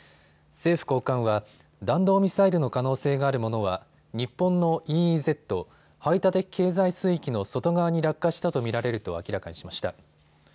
政府高官は弾道ミサイルの可能性があるものは日本のＥＥＺ・排他的経済水域の外側に落下したと見られると明らかにしました。